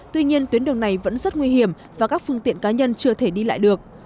tuy nhiên tuyến đường này vẫn rất nguy hiểm và các phương tiện cá nhân chưa thể đi lại được